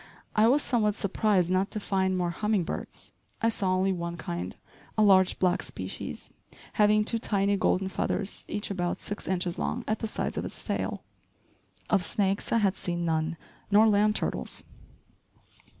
I was somewhat surprised not to find more humming birds. I saw only one kind, a large, black species, having two tiny golden feathers each about six inches long at the sides of its tail. Of snakes, I had seen none, nor land turtles.